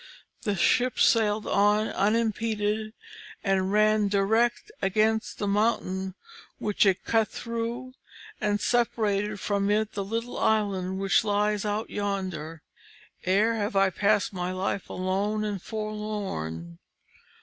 The ship sailed on unimpeded, and ran direct against the mountain, which it cut through, and separated from it the little island which lies out yonder. "Ever have I passed my life alone and forlorn.